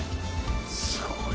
すごい。